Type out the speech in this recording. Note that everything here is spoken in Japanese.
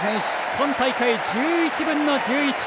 今大会１１分の１１。